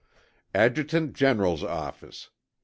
ADJUTANT GENERAL'S OFFICE.